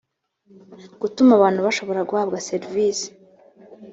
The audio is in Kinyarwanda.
gutuma abantu bashobora guhabwa serivisi